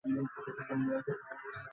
আমাদের রাধারানীর বাড়ি।